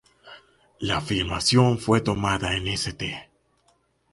La filmación fue tomada en St.